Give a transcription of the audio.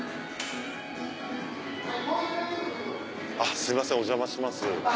すいませんお邪魔します。